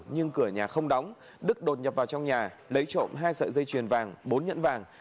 nhưng cửa nhà không đóng đức đột nhập vào trong nhà lấy trộm hai sợi dây chuyền vàng bốn nhẫn vàng